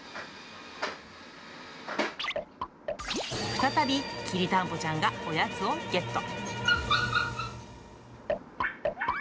再び、きりたんぽちゃんがおやつをゲット。